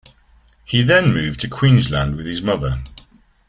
He then moved to Queensland with his mother.